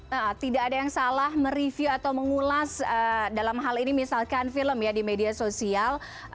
nah tidak ada yang salah mereview atau mengulas dalam hal ini misalkan film ya di media sosial